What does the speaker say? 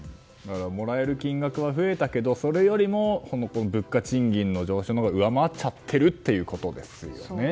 もらえる金額は増えたけどそれよりも物価、賃金の上昇のほうが上回っちゃってるということですね。